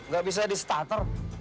gak bisa di stator